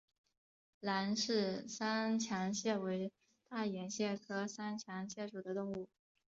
兰氏三强蟹为大眼蟹科三强蟹属的动物。